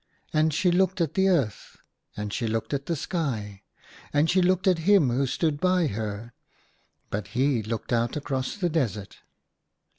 And she looked at the earth, and she looked at the sky, and she looked at him who stood by her : but he looked out across the desert.